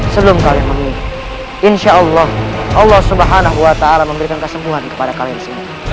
sebelum kalian mengingat insyaallah allah swt memberikan kesembuhan kepada kalian semua